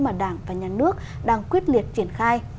mà đảng và nhà nước đang quyết liệt triển khai